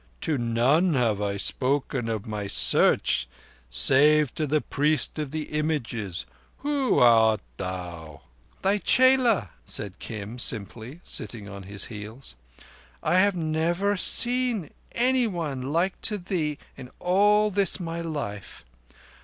"To none have I spoken of my search, save to the Priest of the Images. Who art thou?" "Thy chela," said Kim simply, sitting on his heels. "I have never seen anyone like to thee in all this my life.